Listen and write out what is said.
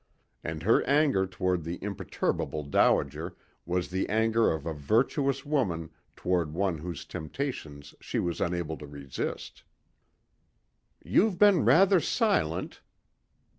And her anger toward the imperturbable dowager was the anger of a virtuous woman toward one whose temptations she was unable to resist. "You've been rather silent."